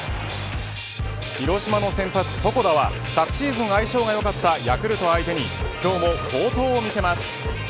広島の先発、床田は昨シーズン相性がよかったヤクルト相手に今日も好投を見せます。